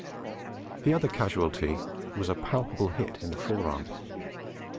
The other casualty was a palpable hit in the fore arm.